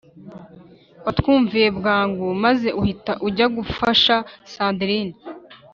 Watwumviye bwangu maze uhita ujya gufasha sandrine